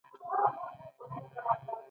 رومیان له لوبیا سره ګډ پخېږي